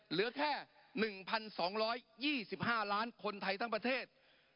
เหลือแค่๑๒๒๕ล้านคนไทยทั้งประเทศ